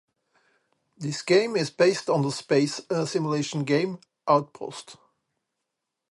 This game is based on the space simulation game, Outpost.